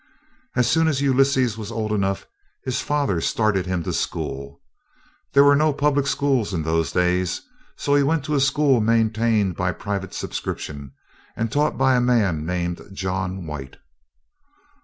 As soon as Ulysses was old enough, his father started him to school. There were no public schools in those days, so he went to a school maintained by private subscription and taught by a man named John White.